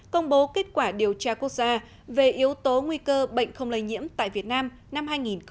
công bố kết quả điều tra quốc gia về yếu tố nguy cơ bệnh không lây nhiễm tại việt nam năm hai nghìn hai mươi